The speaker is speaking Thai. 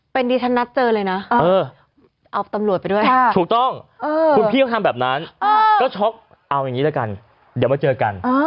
เป็นดิฉันนัดเจอเลยนะเอาตำรวจไปด้วยถูกต้องคุณพี่เขาทำแบบนั้นก็ช็อกเอาอย่างนี้ละกันเดี๋ยวมาเจอกัน